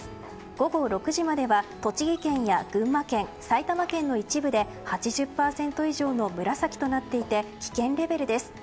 午後６時までは栃木県や群馬県埼玉県の一部で、８０％以上の紫となっていて危険レベルです。